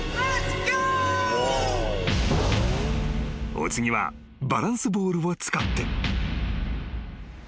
［お次はバランスボールを使って］